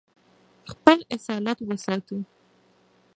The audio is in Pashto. خپل اصالت وساتو.